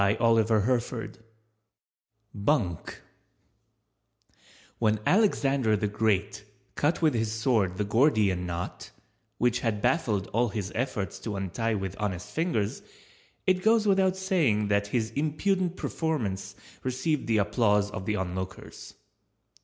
BUNK When Alexander the Great cut with his sword the Gordian Knot, which had baffled all his efforts to untie with honest fingers, it goes without saying that his impudent performance received the applause of the onlookers.